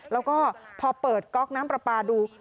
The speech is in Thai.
แล้วก็พอเปิดก๊อกน้ำปลาปลาดู